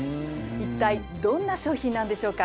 一体どんな商品なんでしょうか？